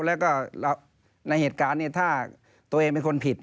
แล้วก็ในเหตุการณ์เนี่ยถ้าตัวเองเป็นคนผิด